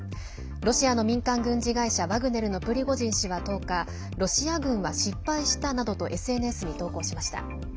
ロシアの民間軍事会社ワグネルのプリゴジン氏は１０日ロシア軍は失敗したなどとＳＮＳに投稿しました。